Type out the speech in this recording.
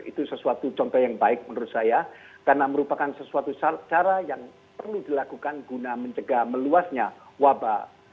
itu sesuatu contoh yang baik menurut saya karena merupakan sesuatu cara yang perlu dilakukan guna mencegah meluasnya wabah